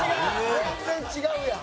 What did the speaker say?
「全然違うやん」